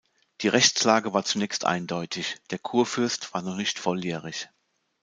Die Rechtslage war zunächst eindeutig: Der Kurfürst war noch nicht volljährig.